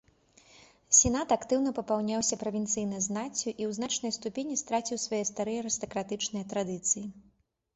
Сенат актыўна папаўняўся правінцыйнай знаццю і ў значнай ступені страціў свае старыя арыстакратычныя традыцыі.